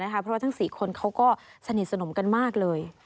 เพราะว่าทั้ง๔คนเขาก็สนิทสนมกันมากเลย